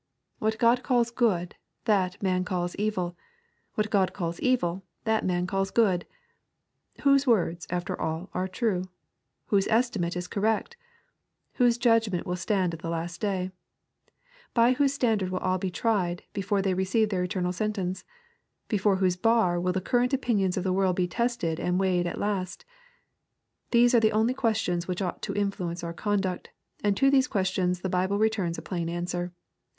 What God calls good, that man calls evil 1 What God calls evil, that man calls good ! Whose words, after all, are true ? Whose estimate is correct ? Whose judgment will stand at the last day ? By whose standard will all be tried, before they receive their eternal sentence ? Before whose bar will the current opinions of the world be tested and weighed at last ? These are the only questions which ought to in fluence our conduct ; and to these questions the Bible returns a plain answer.